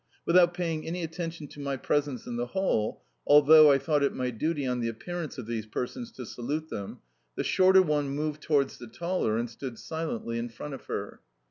Without paying any attention to my presence in the hall (although I thought it my duty, on the appearance of these persons to salute them), the shorter one moved towards the taller, and stood silently in front of her.